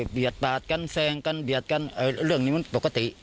ปาดกันแซงกันเบียดกันเรื่องนี้มันปกติ